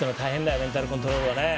メンタルコントロールがね。